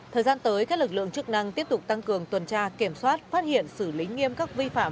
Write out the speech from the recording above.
thời gian tới các lực lượng chức năng tiếp tục tăng cường tuần tra kiểm soát phát hiện xử lý nghiêm các vi phạm